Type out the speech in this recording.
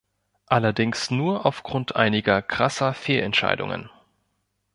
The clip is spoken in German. Allerdings nur aufgrund einiger krasser Fehlentscheidungen.